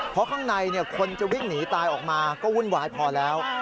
เพราะข้างในคนจะวิ่งหนีตายออกมาก็วุ่นวายพอแล้ว